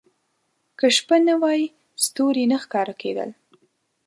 • که شپه نه وای، ستوري نه ښکاره کېدل.